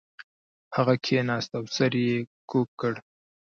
هغه کښیناست او سر یې کږ کړ